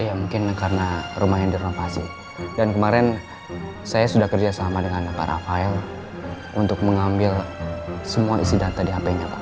iya mungkin karena rumahnya di renovasi dan kemarin saya sudah kerja sama dengan para file untuk mengambil semua isi data di hpnya pak